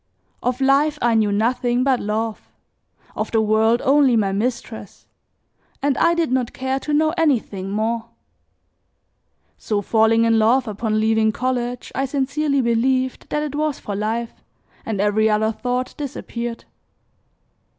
Of life I knew nothing but love, of the world only my mistress, and I did not care to know anything more. So falling in love upon leaving college I sincerely believed that it was for life and every other thought disappeared.